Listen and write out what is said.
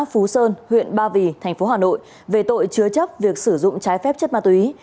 hú sơn huyện ba vì tp hà nội về tội chứa chấp việc sử dụng trái phép chất ma túy